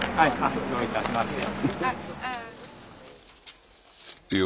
どういたしまして。